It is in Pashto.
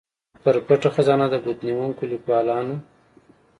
پر پټه خزانه د ګوتنیونکو ليکوالانو